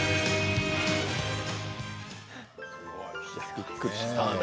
びっくりした。